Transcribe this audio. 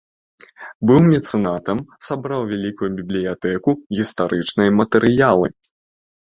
Быў мецэнатам, сабраў вялікую бібліятэку, гістарычныя матэрыялы.